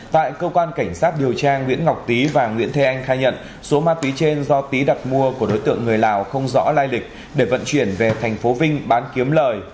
tại cơ quan cảnh sát điều tra nguyễn ngọc tý và nguyễn thế anh khai nhận số ma túy trên do tý đặt mua của đối tượng người lào không rõ lai lịch để vận chuyển về thành phố vinh bán kiếm lời